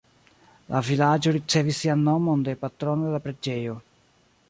La vilaĝo ricevis sian nomon de patrono de la preĝejo.